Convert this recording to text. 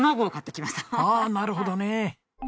ああなるほどね。